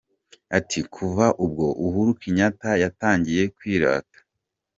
Ati “Kuva ubwo Uhuru Kenyatta yatangiye kwirata.